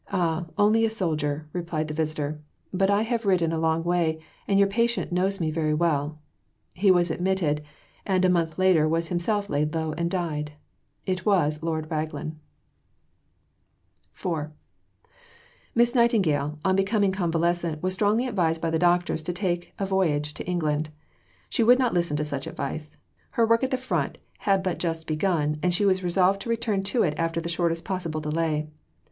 "Ah, only a soldier," replied the visitor, "but I have ridden a long way, and your patient knows me very well." He was admitted, and a month later was himself laid low and died. It was Lord Raglan. Panmure Papers, vol. i. p. 215. IV Miss Nightingale, on becoming convalescent, was strongly advised by the doctors to take a voyage to England. She would not listen to such advice. Her work at the front had but just begun, and she was resolved to return to it after the shortest possible delay.